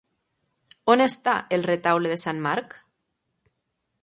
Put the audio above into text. On està el Retaule de Sant Marc?